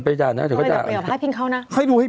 เป็นการกระตุ้นการไหลเวียนของเลือด